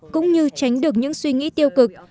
cũng như tránh được những suy nghĩ tiêu cực